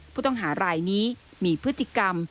ผู้ต้องหารายนี้มีพฤติกรรม